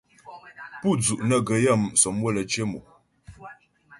Pú dzu' nə́ gə yaə́mu' sɔmywə lə́ cyə mò.